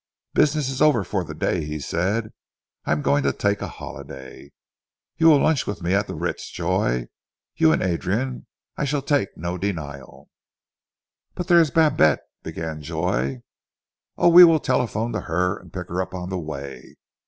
"Business is over for the day," he said. "I'm going to take a holiday. You will lunch with me at the Ritz, Joy, you and Adrian. I shall take no denial." "But there is Babette " began Joy. "Oh, we will telephone to her, and pick her up on the way.